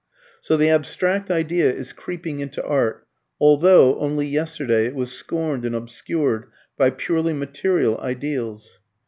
] So the abstract idea is creeping into art, although, only yesterday, it was scorned and obscured by purely material ideals.